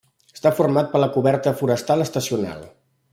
Està format per la coberta forestal estacional.